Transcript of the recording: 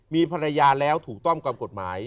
มีภรรยาแล้วถูกต้องตามกฎหมาย